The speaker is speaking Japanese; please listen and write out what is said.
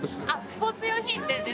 スポーツ用品店で。